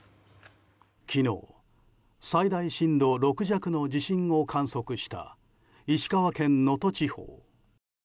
昨日、最大震度６弱の地震を観測した石川県能登地方。